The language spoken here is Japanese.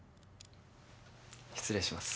失礼します。